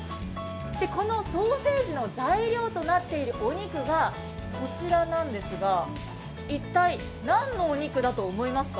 このソーセージの材料となっているお肉がこちらなんですが、一体何のお肉だと思いますか？